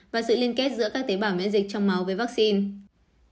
và sự liên kết giữa các tế bào miễn dịch trong máu với vaccine